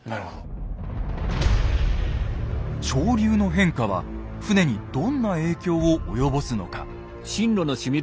潮流の変化は船にどんな影響を及ぼすのか。